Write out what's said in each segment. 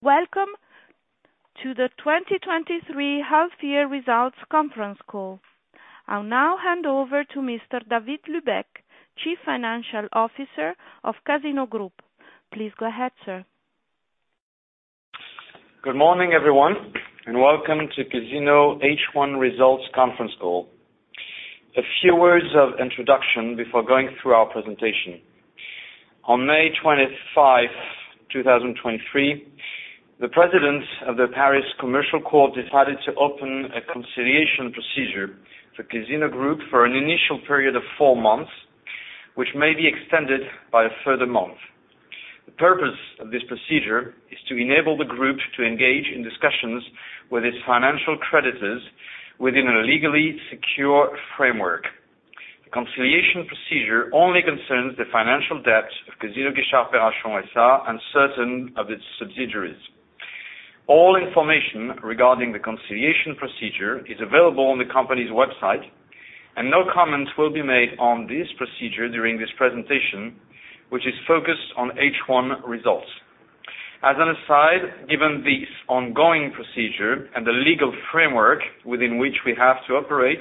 Welcome to the 2023 half year results conference call. I'll now hand over to Mr. David Lubek, Chief Financial Officer of Casino Group. Please go ahead, sir. Good morning, everyone, and welcome to Casino H1 Results conference call. A few words of introduction before going through our presentation. On May 25, 2023, the President of the Paris Commercial Court decided to open a conciliation procedure for Casino Group for an initial period of 4 months, which may be extended by a further month. The purpose of this procedure is to enable the group to engage in discussions with its financial creditors within a legally secure framework. The conciliation procedure only concerns the financial debt of Casino Guichard-Perrachon SA and certain of its subsidiaries. All information regarding the conciliation procedure is available on the company's website, and no comments will be made on this procedure during this presentation, which is focused on H1 results. As an aside, given this ongoing procedure and the legal framework within which we have to operate,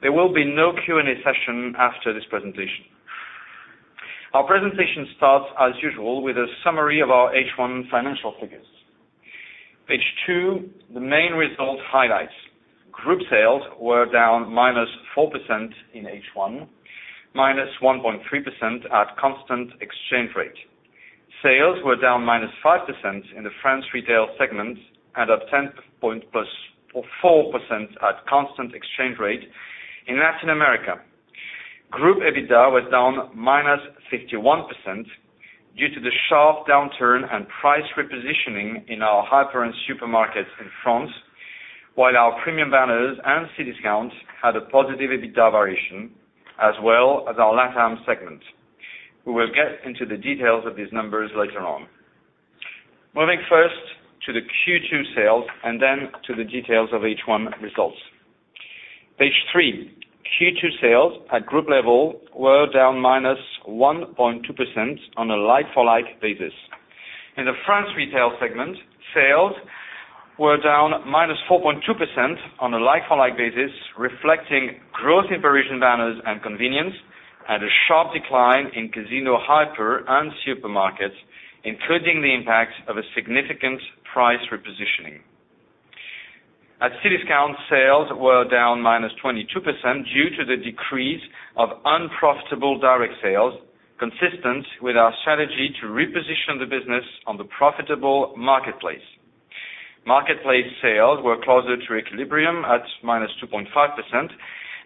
there will be no Q&A session after this presentation. Our presentation starts, as usual, with a summary of our H1 financial figures. Page 2, the main result highlights. Group sales were down -4% in H1, -1.3% at constant exchange rate. Sales were down -5% in the France retail segment, and up 10.4% at constant exchange rate in Latin America. Group EBITDA was down -51% due to the sharp downturn and price repositioning in our hyper and supermarkets in France, while our premium banners and Cdiscount had a positive EBITDA variation, as well as our LATAM segment. We will get into the details of these numbers later on. Moving first to the Q2 sales and then to the details of H1 results. Page 3. Q2 sales at group level were down -1.2% on a like-for-like basis. In the France retail segment, sales were down -4.2% on a like-for-like basis, reflecting growth in Parisian banners and convenience, and a sharp decline in Casino Hypermarkets and Supermarkets, including the impact of a significant price repositioning. At Cdiscount, sales were down -22% due to the decrease of unprofitable direct sales, consistent with our strategy to reposition the business on the profitable marketplace. Marketplace sales were closer to equilibrium at -2.5%.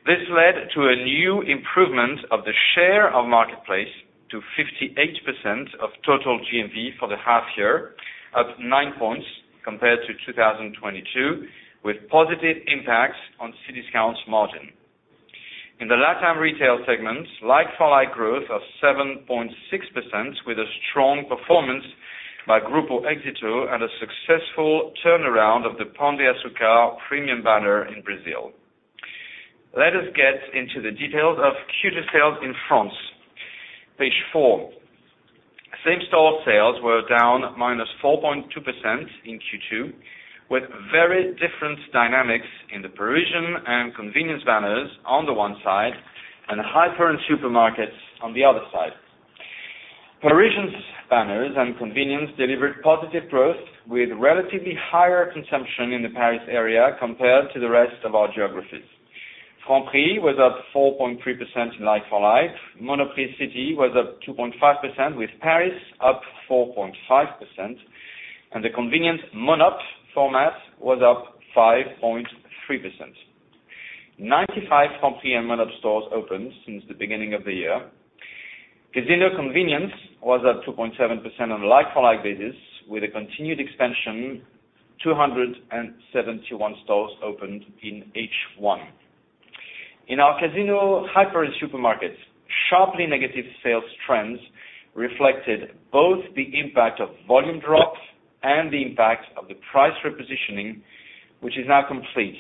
This led to a new improvement of the share of marketplace to 58% of total GMV for the half year, up 9 points compared to 2022, with positive impacts on Cdiscount's margin. In the LATAM retail segment, like-for-like growth of 7.6%, with a strong performance by Grupo Éxito and a successful turnaround of the Pão de Açúcar premium banner in Brazil. Let us get into the details of Q2 sales in France. Page 4. Same-store sales were down -4.2% in Q2, with very different dynamics in the Parisian and convenience banners on the one side, and hyper and supermarkets on the other side. Parisians banners and convenience delivered positive growth with relatively higher consumption in the Paris area compared to the rest of our geographies. Franprix was up 4.3% like-for-like. Monoprix City was up 2.5%, with Paris up 4.5%, and the convenience Monop' format was up 5.3%. 95 Franprix and Monop' stores opened since the beginning of the year. Casino Convenience was at 2.7% on a like-for-like basis, with a continued expansion, 271 stores opened in H1. In our Casino Hypermarkets and Supermarkets, sharply negative sales trends reflected both the impact of volume drops and the impact of the price repositioning, which is now complete.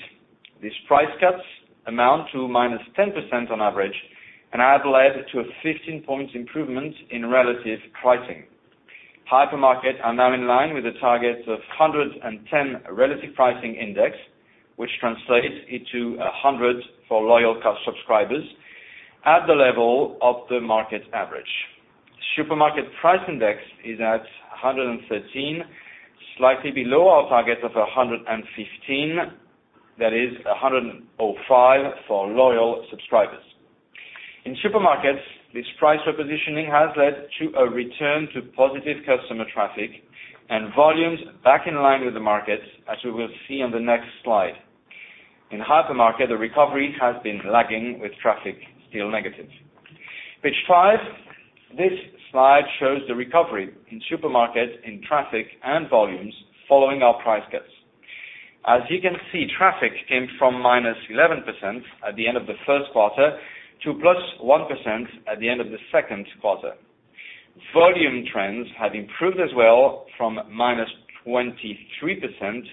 These price cuts amount to -10% on average and have led to a 15 point improvement in relative pricing. Hypermarket are now in line with the target of 110 relative pricing index, which translates into a 100 for loyal customers subscribers at the level of the market average. Supermarket price index is at 113, slightly below our target of 115. That is a 105 for loyal subscribers. In supermarkets, this price repositioning has led to a return to positive customer traffic and volumes back in line with the market, as we will see on the next slide. In hypermarket, the recovery has been lagging, with traffic still negative. Page 5. This slide shows the recovery in supermarkets, in traffic and volumes following our price cuts. As you can see, traffic came from -11% at the end of the first quarter to +1% at the end of the Q2. Volume trends have improved as well, from -23%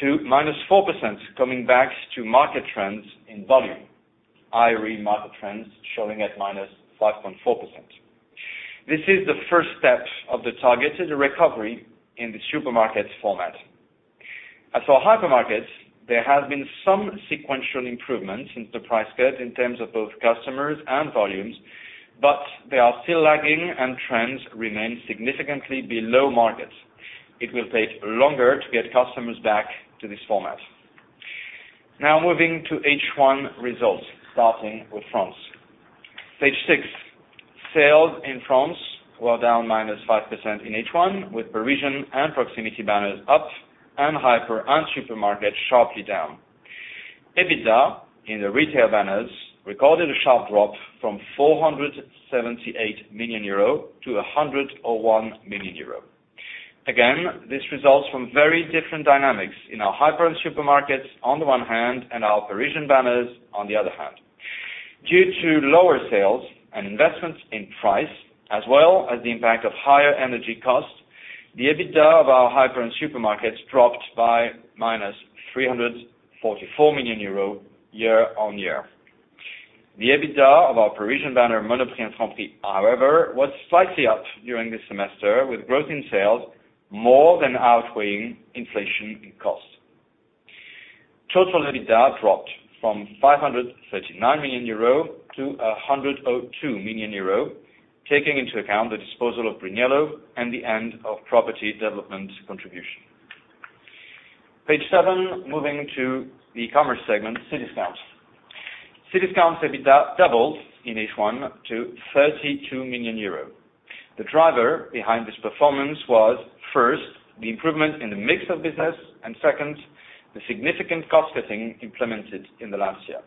to -4%, coming back to market trends in volume. IRI market trends showing at -5.4%. This is the first step of the targeted recovery in the supermarket format. As for hypermarkets, there have been some sequential improvements since the price cut in terms of both customers and volumes, but they are still lagging and trends remain significantly below market. It will take longer to get customers back to this format. Moving to H1 results, starting with France. Page 6, sales in France were down -5% in H1, with Parisian and proximity banners up, and hyper and supermarket sharply down. EBITDA in the retail banners recorded a sharp drop from 478 million euro to 101 million euro. This results from very different dynamics in our hyper and supermarkets on the one hand, and our Parisian banners on the other hand. Due to lower sales and investments in price, as well as the impact of higher energy costs, the EBITDA of our Casino Hypermarkets and Supermarkets dropped by minus 344 million euro year-on-year. The EBITDA of our Parisian banner, Monoprix and Franprix, however, was slightly up during this semester, with growth in sales more than outweighing inflation in costs. Total EBITDA dropped from 539 million euro to 102 million euro, taking into account the disposal of Brunello and the end of property development contribution. Page 7, moving to the commerce segment, Cdiscount. Cdiscount EBITDA doubled in H1 to 32 million euros. The driver behind this performance was, first, the improvement in the mix of business, and second, the significant cost-cutting implemented in the last year.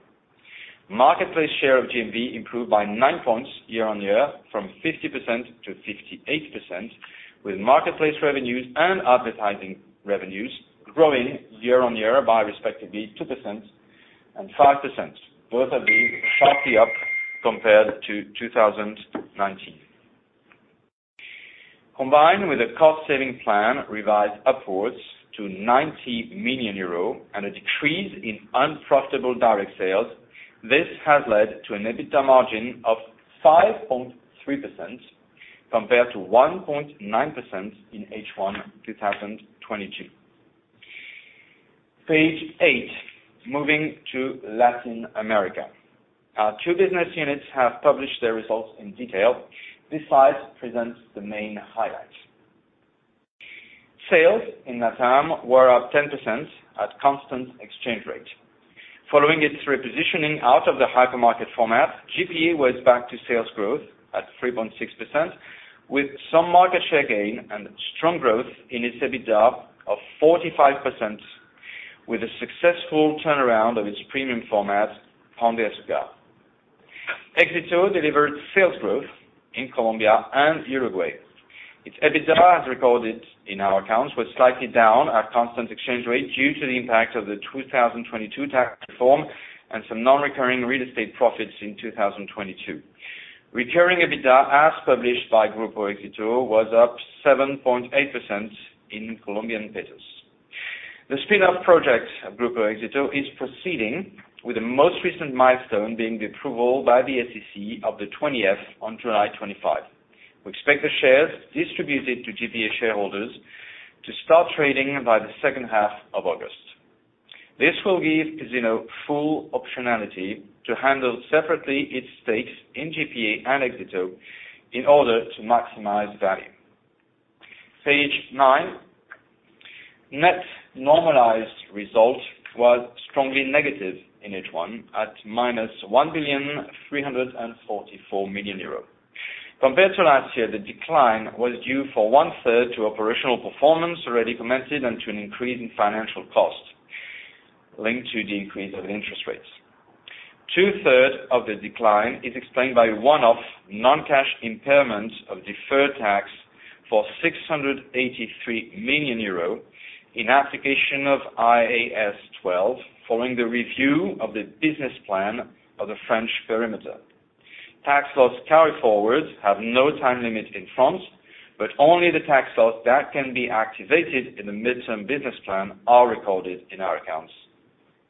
Marketplace share of GMV improved by 9 points year on year, from 50% to 58%, with marketplace revenues and advertising revenues growing year on year by respectively 2% and 5%, both of these sharply up compared to 2019. Combined with a cost saving plan revised upwards to 90 million euros and a decrease in unprofitable direct sales, this has led to an EBITDA margin of 5.3% compared to 1.9% in H1 2022. Page 8, moving to Latin America. Our two business units have published their results in detail. This slide presents the main highlights. Sales in LATAM were up 10% at constant exchange rate. Following its repositioning out of the hypermarket format, GPA was back to sales growth at 3.6%, with some market share gain and strong growth in its EBITDA of 45%, with a successful turnaround of its premium format, Pão de Açúcar. Exito delivered sales growth in Colombia and Uruguay. Its EBITDA, as recorded in our accounts, was slightly down at constant exchange rate due to the impact of the 2022 tax reform and some non-recurring real estate profits in 2022. Recurring EBITDA, as published by Grupo Éxito, was up 7.8% in Colombian pesos. The spin-off project of Grupo Éxito is proceeding, with the most recent milestone being the approval by the SEC of the 20-F on July 25. We expect the shares distributed to GPA shareholders to start trading by the second half of August. This will give Casino full optionality to handle separately its stakes in GPA and Éxito in order to maximize value. Page 9. Net normalized result was strongly negative in H1, at -1,344 million euro. Compared to last year, the decline was due for one third to operational performance already commented and to an increase in financial costs linked to the increase of interest rates. 2/3 of the decline is explained by one-off non-cash impairment of deferred tax for 683 million euro in application of IAS 12, following the review of the business plan of the French perimeter. Tax loss carryforwards have no time limit in France, but only the tax loss that can be activated in the midterm business plan are recorded in our accounts,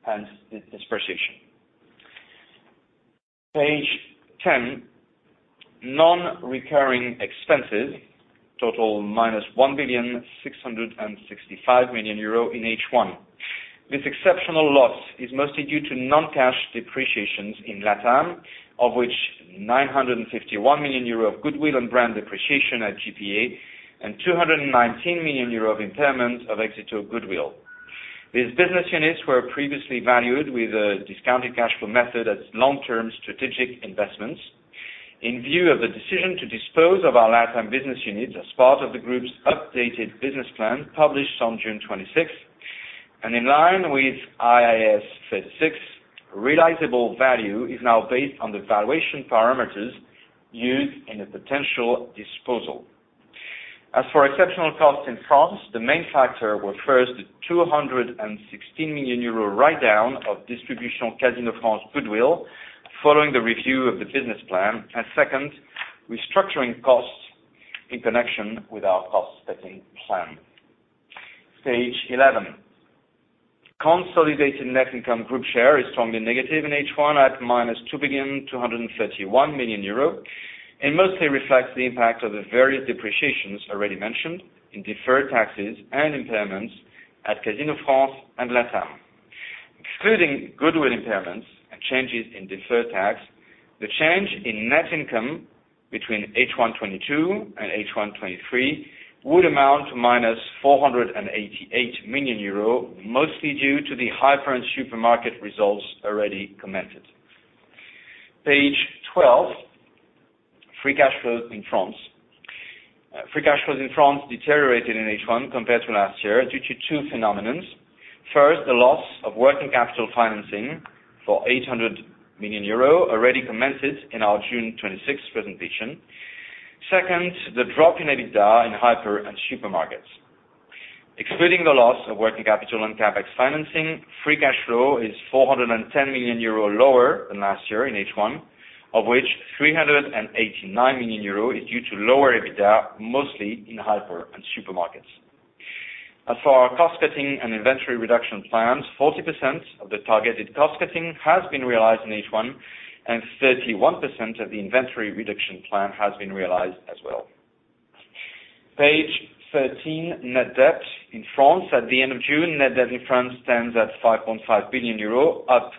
hence the depreciation. Page 10. Non-recurring expenses, total -1,665 million euro in H1. This exceptional loss is mostly due to non-cash depreciations in LATAM, of which 951 million euro of goodwill and brand depreciation at GPA, and 219 million euro of impairment of Exito goodwill. These business units were previously valued with a discounted cash flow method as long-term strategic investments. In view of the decision to dispose of our LATAM business units as part of the group's updated business plan, published on June 26th, and in line with IAS 36, realizable value is now based on the valuation parameters used in a potential disposal. As for exceptional costs in France, the main factor were, first, the 216 million euro write-down of Distribution Casino France goodwill following the review of the business plan. Second, restructuring costs in connection with our cost saving plan. Page 11. Consolidated net income group share is strongly negative in H1 at -2,231 million euro, and mostly reflects the impact of the various depreciations already mentioned in deferred taxes and impairments at Casino France and LATAM. Excluding goodwill impairments and changes in deferred tax, the change in net income between H1 2022 and H1 2023 would amount to EUR -.488 million, mostly due to the hyper and supermarkets results already commented. Page 12, free cash flow in France. Free cash flow in France deteriorated in H1 compared to last year, due to two phenomenons. First, the loss of working capital financing for 800 million euro, already commented in our June 26 presentation. Second, the drop in EBITDA in hyper and supermarkets. Excluding the loss of working capital and CapEx financing, free cash flow is 410 million euro lower than last year in H1, of which 389 million euro is due to lower EBITDA, mostly in hyper and supermarkets. As for our cost-cutting and inventory reduction plans, 40% of the targeted cost-cutting has been realized in H1, and 31% of the inventory reduction plan has been realized as well. Page 13, net debt in France. At the end of June, net debt in France stands at 5.5 billion euro, up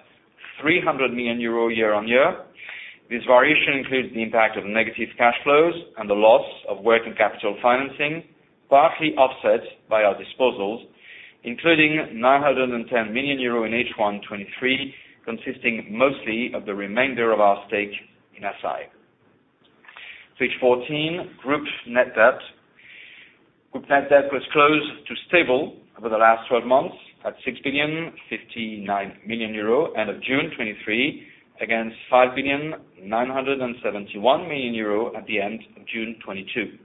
300 million euro year-on-year. This variation includes the impact of negative cash flows and the loss of working capital financing, partly offset by our disposals, including 910 million euro in H1 23, consisting mostly of the remainder of our stake in Assaí. Page 14, group net debt. Group net debt was close to stable over the last 12 months, at 6 billion 59 million and of June 2023, against 5 billion 971 million at the end of June 2022.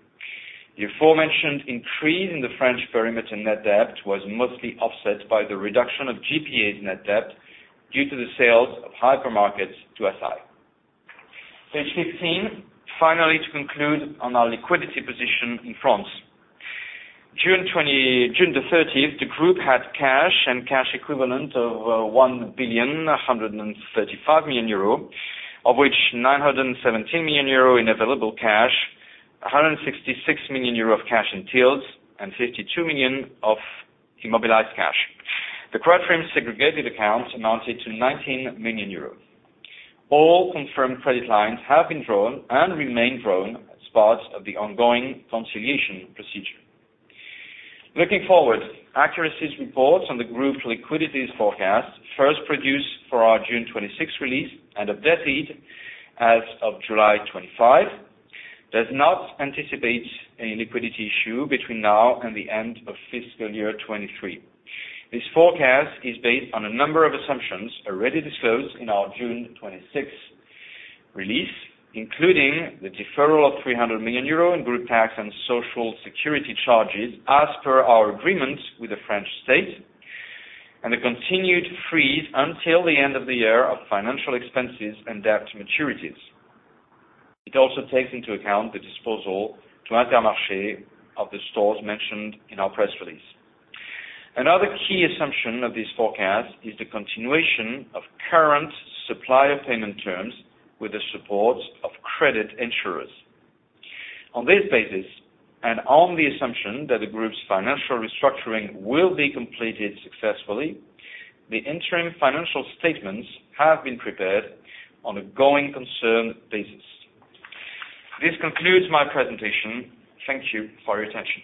The aforementioned increase in the French perimeter net debt was mostly offset by the reduction of GPA's net debt, due to the sales of hypermarkets to Assaí. Page 15, finally, to conclude on our liquidity position in France. June the 30th, the group had cash and cash equivalent of 1 billion 135 million, of which 917 million euro in available cash, 166 million euro of cash in tills, and 52 million of immobilized cash. The credit frame segregated accounts amounted to 19 million euro. All confirmed credit lines have been drawn and remain drawn as part of the ongoing conciliation procedure. Looking forward, Accuracy's reports on the group's liquidities forecast, first produced for our June 26th release and updated as of July 25, does not anticipate any liquidity issue between now and the end of fiscal year 2023. This forecast is based on a number of assumptions already disclosed in our June 26th release, including the deferral of 300 million euro in group tax and social security charges, as per our agreements with the French state, and the continued freeze until the end of the year of financial expenses and debt maturities. It also takes into account the disposal to Intermarché of the stores mentioned in our press release. Another key assumption of this forecast is the continuation of current supplier payment terms with the support of credit insurers. On this basis, on the assumption that the group's financial restructuring will be completed successfully, the interim financial statements have been prepared on a going concern basis. This concludes my presentation. Thank you for your attention.